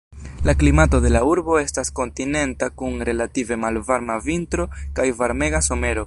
La klimato de la urbo estas kontinenta kun relative malvarma vintro kaj varmega somero.